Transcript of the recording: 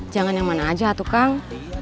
jangan yang mana aja tuh kang